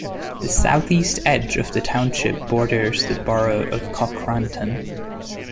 The southeast edge of the township borders the borough of Cochranton.